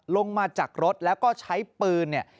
ลงมาจากรถแล้วก็ใช้ปืนเนี่ย